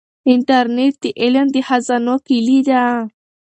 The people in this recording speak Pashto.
انټرنیټ د علم د خزانو کلي ده.